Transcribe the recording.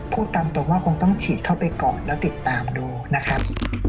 พูดตามตรงว่าคงต้องฉีดเข้าไปก่อนแล้วติดตามดูนะครับ